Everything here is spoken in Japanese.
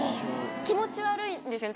気持ち悪いんですよね